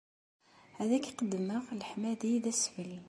Ad ak-qeddmeɣ leḥmadi d asfel.